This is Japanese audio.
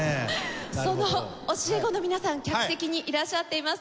その教え子の皆さん客席にいらっしゃっています。